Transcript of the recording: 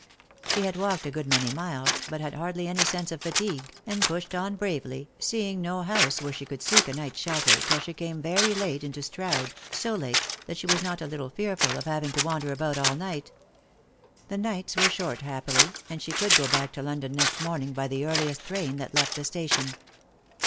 She had walked a good many miles, but had hardly any sense Lost for Love. 221 of fatigue, and pushed on bravely, seeing no house where she could seek a night's shelter till she came, very late, into Strood, so late that she was not a little fearful of having to wander about all night. The nights were short, happily, and she could go back to London next morning by the earliest train that left the station.